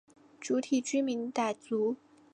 主体居民傣族。